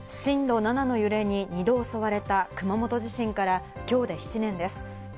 震度７の揺れに２度襲われた、熊本地震から今日で７年です。